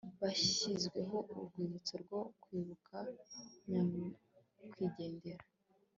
hashyizweho urwibutso rwo kwibuka nyakwigendera